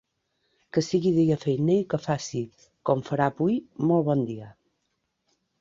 Que sigui dia feiner i que faci, com farà avui, molt bon dia.